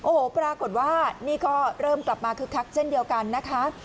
โอ้โหปรากฏว่านี่ก็เริ่มกลับมาคึกคักเช่นเดียวกันนะคะ